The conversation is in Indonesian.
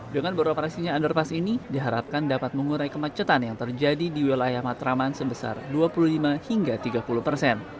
dengan beroperasinya underpass ini diharapkan dapat mengurai kemacetan yang terjadi di wilayah matraman sebesar dua puluh lima hingga tiga puluh persen